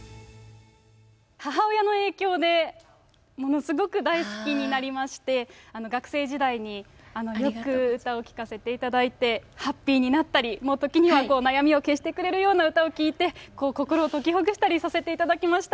母親の影響で、ものすごく大好きになりまして、学生時代によく歌を聴かせていただいて、ハッピーになったり、もう時には悩みを消してくれるような歌を聴いて、こう、心を解きほぐしたりさせていただきました。